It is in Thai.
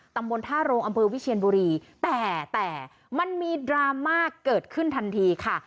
ตำบลท่าโรงอำเภอวิเชียนบุรีแต่แต่มันมีดราม่าเกิดขึ้นทันทีค่ะ